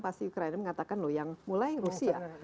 pasti ukraina mengatakan loh yang mulai rusia